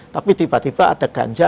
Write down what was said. tapi tiba tiba ada ganja